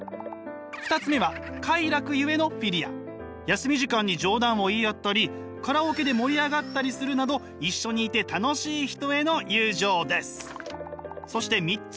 休み時間に冗談を言い合ったりカラオケで盛り上がったりするなど一緒にいて楽しい人への友情です。